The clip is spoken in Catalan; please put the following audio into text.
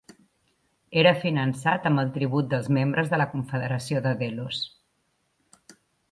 Era finançat amb el tribut dels membres de la Confederació de Delos.